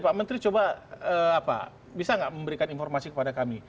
pak menteri coba bisa nggak memberikan informasi kepada kami